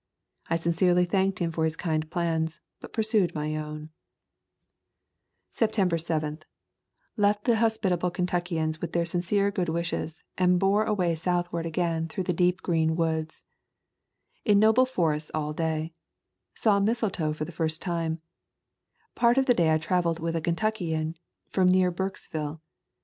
I sincerely thanked him for his kind plans, but pursued my own. September 7. Left the hospitable Kentuck { 12 ] ENTRANCE TO MAMMOTH CAVE Kentucky Forests and Caves ians with their sincere good wishes and bore away southward again through the deep green woods. In noble forests all day. Saw mistletoe for the first time. Part of the day I traveled with a Kentuckian from near Burkesville.